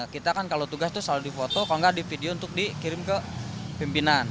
kita kan kalau tugas itu selalu di foto kalau nggak di video untuk dikirim ke pimpinan